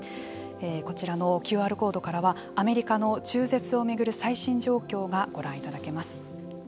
こちらのＱＲコードからはアメリカの中絶を巡る最新状況がご覧いただけます。